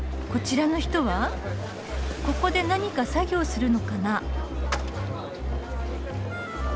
こちらの人はここで何か作業するのかな。